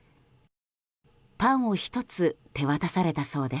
パンを１つ手渡されたそうです。